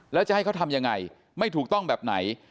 แล้วจะให้เขาทำยังไงไม่ถูกต้องแบบไหน